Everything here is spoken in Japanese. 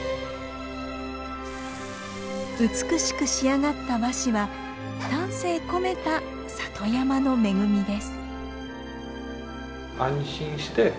美しく仕上がった和紙は丹精込めた里山の恵みです。